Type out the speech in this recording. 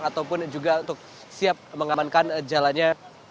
ataupun juga untuk siap mengamankan jalannya